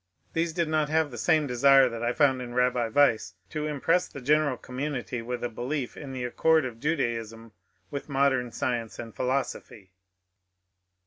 These did not have the same desire that I found in Sabbi Wise to impress the general community with a belief in the accord of Judaism with modern science and philosophy.